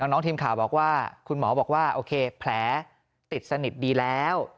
น้องทีมข่าวบอกว่าคุณหมอบอกว่าโอเคแผลติดสนิทดีแล้ว